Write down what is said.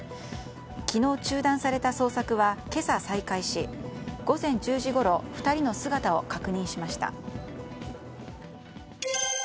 昨日、中断された捜索は今朝再開し午前１０時ごろ２人の姿を確認しました。